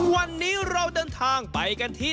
วันนี้เราเดินทางไปกันที่